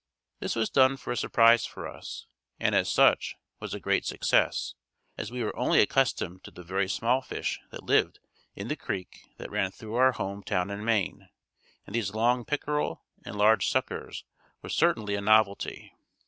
This was done for a surprise for us, and as such, was a great success, as we were only accustomed to the very small fish that lived in the creek that ran through our home town in Maine, and these long pickerel and large suckers were certainly a novelty.